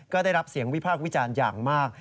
ก็ได้รับเสียงวิพากษ์วิจารณ์อย่างมาก